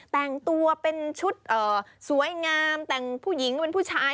แต่งตัวเป็นชุดสวยงามแต่งผู้หญิงเป็นผู้ชาย